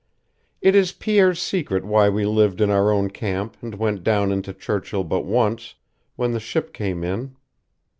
"It is Pierre's secret why we lived in our own camp and went down into Churchill but once when the ship came in.